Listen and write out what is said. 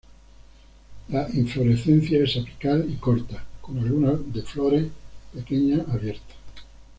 La inflorescencia es apical y corta, con algunas de flores pequeñas abiertas.